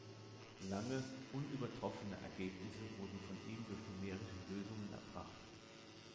Lange unübertroffene Ergebnisse wurden von ihm durch numerische Lösungen erbracht.